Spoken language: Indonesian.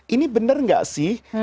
ini benar gak sih